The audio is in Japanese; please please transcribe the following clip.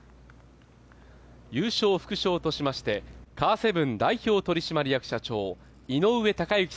優勝副賞としましてカーセブン代表取締役社長井上貴之